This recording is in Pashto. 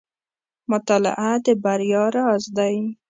• مطالعه د بریا راز دی.